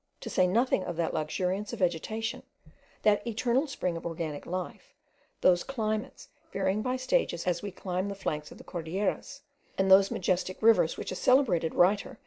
To say nothing of that luxuriance of vegetation, that eternal spring of organic life, those climates varying by stages as we climb the flanks of the Cordilleras, and those majestic rivers which a celebrated writer (M.